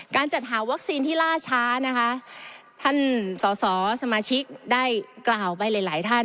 จัดหาวัคซีนที่ล่าช้านะคะท่านสอสอสมาชิกได้กล่าวไปหลายหลายท่าน